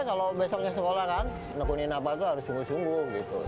kalau besoknya sekolah kan nekunin apa itu harus sungguh sungguh gitu